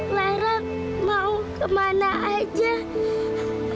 lara mau kemana aja